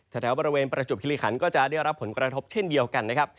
แถวบริเวณประจวบคิริขันก็จะได้รับผลกระทบเช่นเดียวกันนะครับ